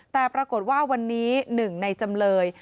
แต่ปรากฏว่าวันนี้หนึ่งในจำเลย